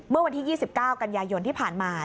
เมื่อวันที่๒๙กันยายนที่ผ่านมา